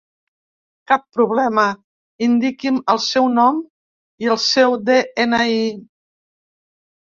Cap problema, indiqui'm el seu nom i el seu de-ena-i.